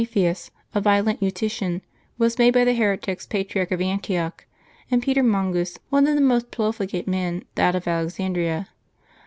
arch 3 Cnapheus, a violent Eut3'cliian, was made by the heretics Patriarch of Antiooh ; and Peter Mcngns, one of the most profligate men, that of Alexandria.